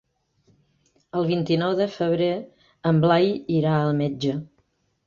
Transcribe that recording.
El vint-i-nou de febrer en Blai irà al metge.